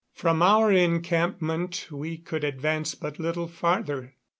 From our encampment we could advance but little farther.